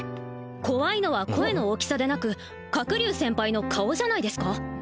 怖いのは声の大きさでなく角竜先輩の顔じゃないですか？